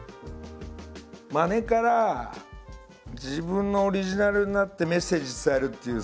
まねから自分のオリジナルになってメッセージ伝えるっていうさ